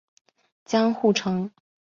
江户城。